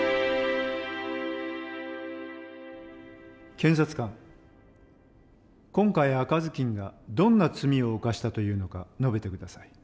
検察官今回赤ずきんがどんな罪を犯したというのか述べて下さい。